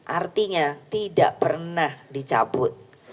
artinya tidak pernah dicabut